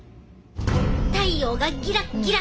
太陽がギラッギラ！